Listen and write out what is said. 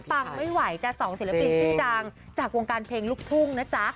ฟังไม่ไหวจ้ะสองศิลปินชื่อดังจากวงการเพลงลูกทุ่งนะจ๊ะ